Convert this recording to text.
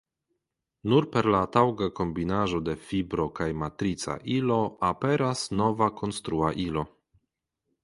Nur per la taŭga kombinaĵo de fibro kaj matrica ilo aperas nova konstrua ilo.